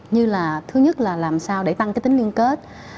như là thứ nhất là làm sao để tăng cái tính liên kết